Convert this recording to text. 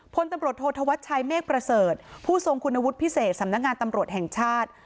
พลตำรวจโทษธวัชชัยเมฆประเสริฐผู้ทรงคุณวุฒิพิเศษสำนักงานตำรวจแห่งชาติ